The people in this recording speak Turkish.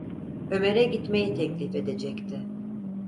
Ömer’e gitmeyi teklif edecekti.